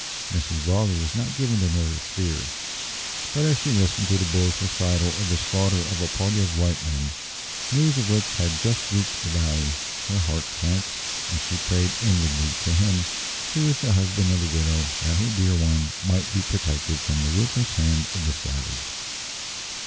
Mrs. Varley was not given to nervous fears, but as she listened to the boy's recital of the slaughter of a party of white men, news of which had just reached the valley, her heart sank, and she prayed inwardly to Him who is the husband of the widow that her dear one might be protected from the ruthless hand of the savage.